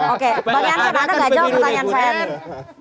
oke bang yansan ada nggak jawab pertanyaan saya ini